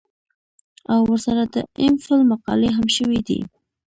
او ورسره د ايم فل مقالې هم شوې دي